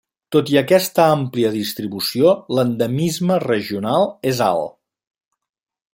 Tot i aquesta àmplia distribució, l'endemisme regional és alt.